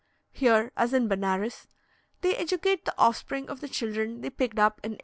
Here, as in Benares, they educate the offspring of the children they picked up in 1831.